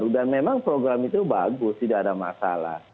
dan memang program itu bagus tidak ada masalah